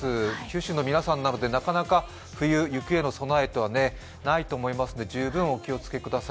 九州の皆さんなので、なかなか冬、雪への備えはないと思いますので、十分お気を付けください。